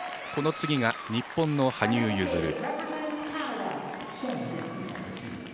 この次が日本の羽生結弦。